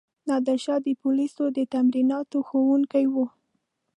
نادرشاه د پولیسو د تمریناتو ښوونکی وو.